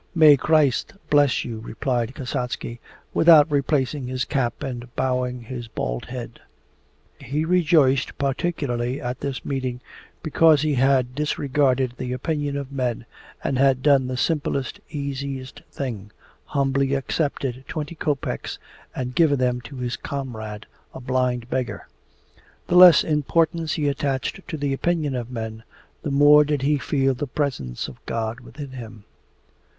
'May Christ bless you,' replied Kasatsky without replacing his cap and bowing his bald head. He rejoiced particularly at this meeting, because he had disregarded the opinion of men and had done the simplest, easiest thing humbly accepted twenty kopeks and given them to his comrade, a blind beggar. The less importance he attached to the opinion of men the more did he feel the presence of God within him.